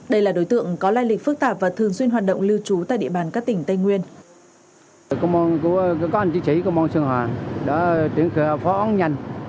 đây là đối tượng có lai lịch phức tạp và thường xuyên hoạt động lưu trú tại địa bàn các tỉnh tây nguyên